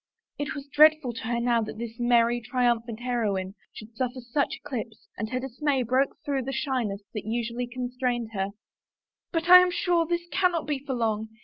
It was dreadful to her now that this merry, triumphant heroine should suffer such eclipse and her dismay broke through the shyness that usually con strained her. " But I am sure this cannot be for long.